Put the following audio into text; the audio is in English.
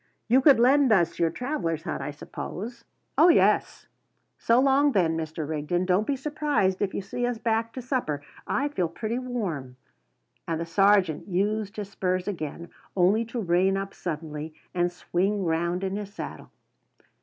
You could lend us your travellers' hut, I suppose?" "Oh, yes." "So long then, Mr. Rigden. Don't be surprised if you see us back to supper. I feel pretty warm." And the sergeant used his spurs again, only to reign up suddenly and swing round in his saddle.